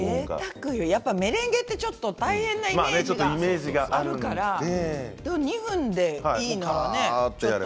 メレンゲってちょっと大変なイメージがあるから２分でいいならね。